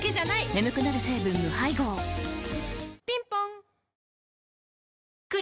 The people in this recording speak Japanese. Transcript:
眠くなる成分無配合ぴんぽん